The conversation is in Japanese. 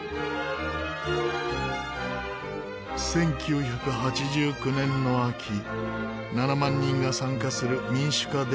１９８９年の秋７万人が参加する民主化デモに発展。